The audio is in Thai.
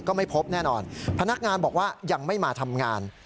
ก็ไม่พบแน่นอนพนักงานบอกว่ายังไม่มาทำงาน